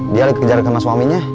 dia lagi kejar karena suaminya